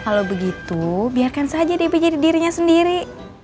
kalau begitu biarkan saja debbie jadi dirinya sendiri